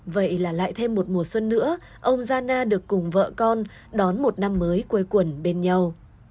vậy là lại thêm một mùa xuân nữa ông zhana được cùng vợ con đón một năm mới quây quần bên nhau